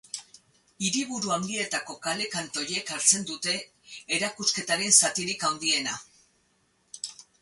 Hiriburu handietako kale kantoiek hartzen dute erakusketaren zatirik handiena.